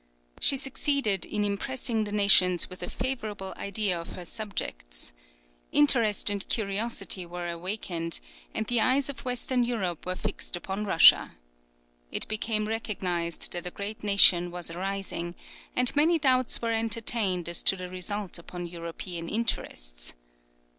She succeeded in impressing the nations with a favourable idea of her subjects. Interest and curiosity were awakened, and the eyes of Western Europe were fixed upon Russia. It became recognized that a great nation was arising, and many doubts were entertained as to the result upon European interests.